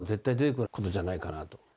絶対出てくることじゃないかなと。